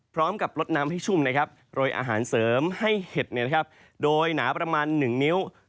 พร้อมกับลดน้ำให้ชุ่มนะครับโรยอาหารเสริมให้เห็ดโดยหนาประมาณ๑นิ้ว